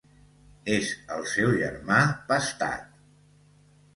És el seu germà pastat!